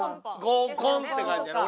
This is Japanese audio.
合コンって感じやな